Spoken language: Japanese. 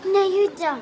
ちゃん